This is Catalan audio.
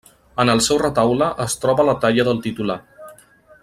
En el seu retaule es troba la talla del titular.